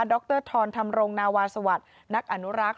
รทรธรรมรงนาวาสวัสดิ์นักอนุรักษ์